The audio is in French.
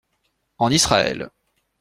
En Israël.